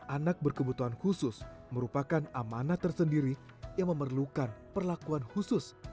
anak berkebutuhan khusus merupakan amanah tersendiri yang memerlukan perlakuan khusus